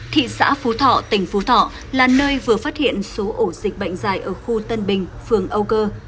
thị xã phú thọ tỉnh phú thọ là nơi vừa phát hiện số ổ dịch bệnh dài ở khu tân bình phường âu cơ